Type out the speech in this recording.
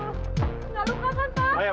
gak luka kan teh